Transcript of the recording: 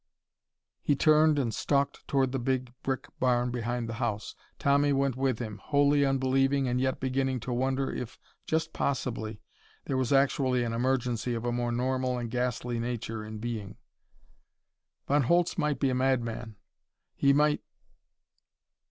He turned and stalked toward the big brick barn behind the house. Tommy went with him, wholly unbelieving and yet beginning to wonder if, just possibly, there was actually an emergency of a more normal and ghastly nature in being. Von Holtz might be a madman. He might....